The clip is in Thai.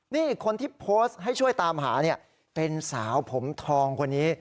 นี่คนที่โพสต์ให้ช่วยตามหาเนี่ยเป็นสาวผมทองคนนี้